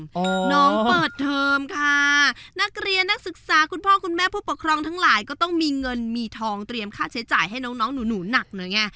ตั้งเลยค่ะนักเรียนนักศึกษาคุณพ่อคุณแม่คุณปกครองทั้งหลายก็ต้องมีเงินมีทองเตรียมค่าใช้จ่ายให้น้องหนูหนัก